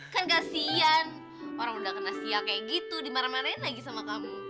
kan kasihan orang udah kena sial kayak gitu dimarah marahin lagi sama kamu